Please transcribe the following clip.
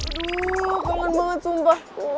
aduh kangen banget sumpah